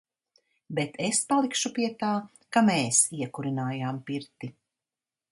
Bet es palikšu pie tā, ka "mēs" iekurinājām pirti.